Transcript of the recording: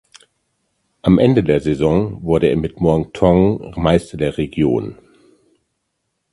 Am Ende der Saison wurde er mit Muangthong Meister der Region.